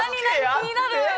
気になる。